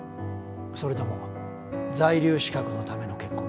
それとも在留資格のための結婚ですか？